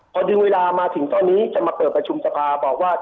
พอดึงเวลามาถึงตอนนี้จะมาเปิดประชุมสภาบอกว่า